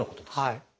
はい。